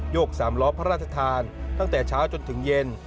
ก๓ล้อพระราชทานตั้งแต่เช้าจนถึงเย็น